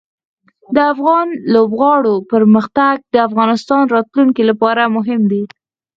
د افغان لوبغاړو پرمختګ د افغانستان راتلونکې لپاره مهم دی.